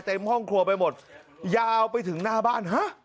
ห้องครัวไปหมดยาวไปถึงหน้าบ้านฮะ